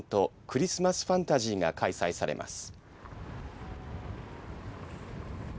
クリスマスファンタジーが開催されます。